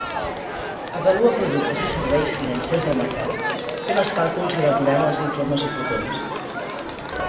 Avalua productes i serveis financers del mercat, fent els càlculs i elaborant els informes oportuns.